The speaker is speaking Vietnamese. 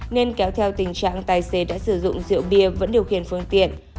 nên kéo theo tình trạng tài xế đã sử dụng rượu bia vẫn điều khiển phương tiện